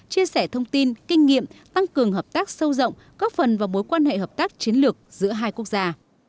chia sẻ thông tin kinh nghiệm tăng cường hợp tác sâu rộng góp phần vào mối quan hệ hợp tác chiến lược giữa hai quốc gia